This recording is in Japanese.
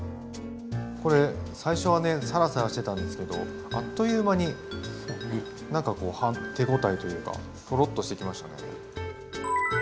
これ最初はねさらさらしてたんですけどあっという間に何か手応えというかトロッとしてきましたね。